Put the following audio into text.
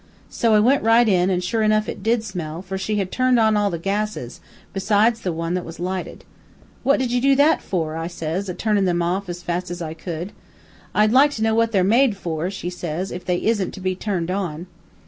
"So I went right in, an' sure enough it did smell, for she had turned on all the gases, besides the one that was lighted. "'What did you do that for?' says I, a turnin' them off as fast as I could. "'I'd like to know what they're made for,' says she, 'if they isn't to be turned on.'